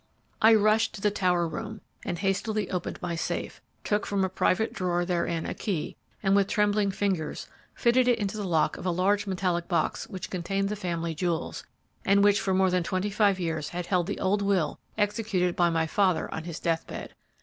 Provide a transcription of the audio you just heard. "I rushed to the tower room, and hastily opening my safe, took from a private drawer therein a key and with trembling fingers fitted it into the lock of a large metallic box which contained the family jewels, and which for more than twenty five years had held the old will executed by my father on his death bed.